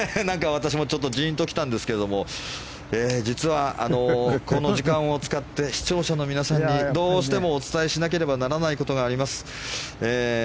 私もちょっとジーンと来たんですが実は、この時間を使って視聴者の皆さんにどうしてもお伝えしなければならないことがあります。